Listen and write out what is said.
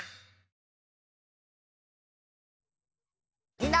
みんな！